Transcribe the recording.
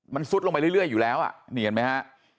มันซุดลงไปเรื่อยอยู่แล้วอ่ะนี่เห็นไหมฮะ